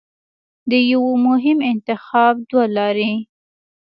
د یوه مهم انتخاب دوه لارې